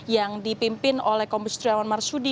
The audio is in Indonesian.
yang dipimpin oleh kombe setiawan marsudi